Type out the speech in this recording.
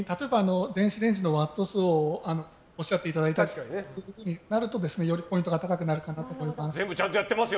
電子レンジのワット数をおっしゃっていただいたりするとよりポイントが全部ちゃんとやってますよ！